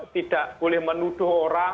tidak boleh menuduh orang